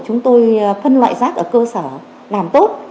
chúng tôi phân loại rác ở cơ sở làm tốt